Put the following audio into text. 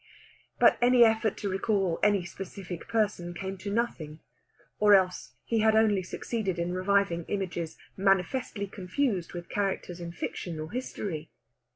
But any effort to recall any specific person came to nothing, or else he only succeeded in reviving images manifestly confused with characters in fiction or history.